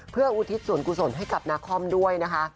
เพื่ออุทิศส่วนกุศลให้กับนาคอมด้วยนะคะ